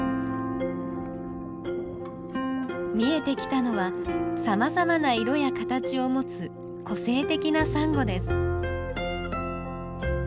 見えてきたのはさまざまな色や形を持つ個性的なサンゴです。